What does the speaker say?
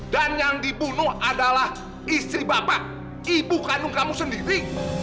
dan yang dibunuh adalah istri bapak ibu kandung kamu sendiri